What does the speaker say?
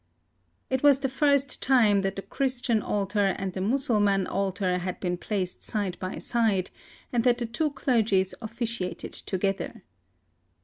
It was the first time that the Christian altar and the Mussulman altar had been placed side by side, and that the two clergies officiated together.